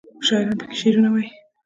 شاعران پکې شعرونه وايي.